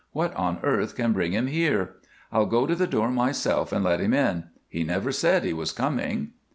What on earth can bring him here? I'll go to the door myself and let him in. He never said he was coming.